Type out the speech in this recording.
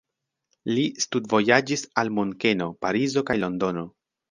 Li studvojaĝis al Munkeno, Parizo kaj Londono.